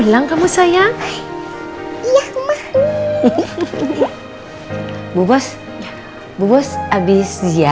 jangan lupa pada tonton ini juga ya